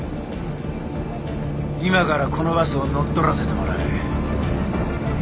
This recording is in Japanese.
今からこのバスを乗っ取らせてもらう。